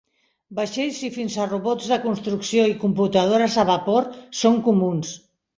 Vaixells i fins a robots de construcció i computadores a vapor són comuns.